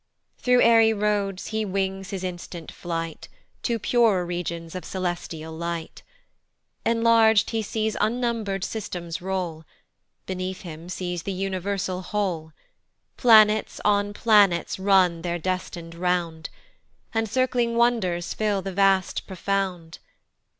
THROUGH airy roads he wings his instant flight To purer regions of celestial light; Enlarg'd he sees unnumber'd systems roll, Beneath him sees the universal whole, Planets on planets run their destin'd round, And circling wonders fill the vast profound.